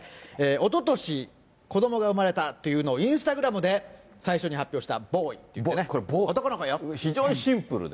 おととし、子どもが産まれたというのをインスタグラムで最初に発表した、非常にシンプルで。